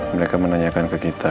mereka menanyakan ke kita